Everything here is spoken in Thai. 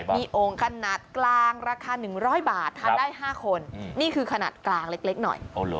มีโอ่งขนาดกลางราคา๑๐๐บาททานได้๕คนนี่คือขนาดกลางเล็กหน่อย